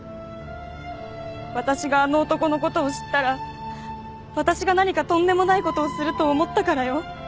私があの男の事を知ったら私が何かとんでもない事をすると思ったからよ。